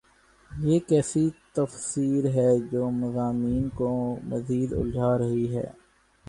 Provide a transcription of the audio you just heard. یہ کیسی تفسیر ہے جو مضامین کو مزید الجھا رہی ہے؟